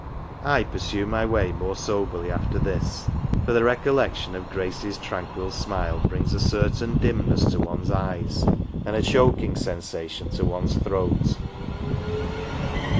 I pursue my way more soberly after this, for the recollection of Grade's tran quil smile brings a cer tain dimness to one's eyes, and a choking sensation to one's throat.